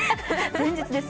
前日です。